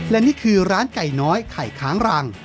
และนี่คือร้านไก่น้อยไข่ค้างรัง